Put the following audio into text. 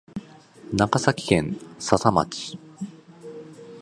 長崎県佐々町